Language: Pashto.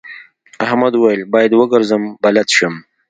احمد وويل: باید وګرځم بلد شم.